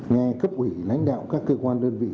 nghe cấp ủy lãnh đạo các cơ quan đơn vị